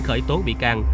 khởi tố bị can